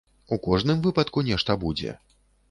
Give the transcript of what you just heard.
У кожным выпадку нешта будзе.